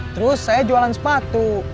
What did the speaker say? terus saya jualan sepatu